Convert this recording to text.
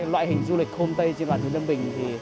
loại hình du lịch hôm tây trên bàn huyện lâm bình